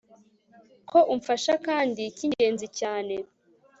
ko umfasha kandi kingenzi cyane